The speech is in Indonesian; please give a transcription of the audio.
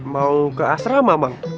mau ke asrama bang